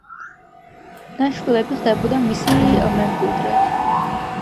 ნაშვილები ხდებოდა მისი მემკვიდრე.